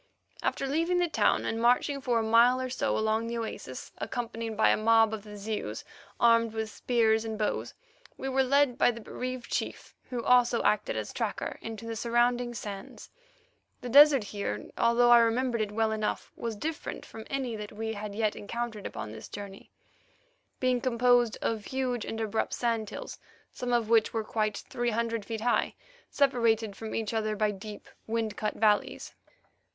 After leaving the town and marching for a mile or so along the oasis, accompanied by a mob of the Zeus armed with spears and bows, we were led by the bereaved chief, who also acted as tracker, out into the surrounding sands. The desert here, although I remembered it well enough, was different from any that we had yet encountered upon this journey, being composed of huge and abrupt sand hills, some of which were quite three hundred feet high, separated from each other by deep, wind cut valleys.